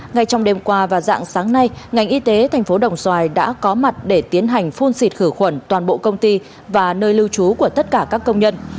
ngay trong đêm qua và dạng sáng nay ngành y tế thành phố đồng xoài đã có mặt để tiến hành phun xịt khử khuẩn toàn bộ công ty và nơi lưu trú của tất cả các công nhân